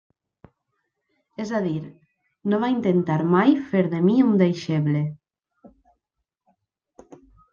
És a dir, no va intentar mai fer de mi un deixeble.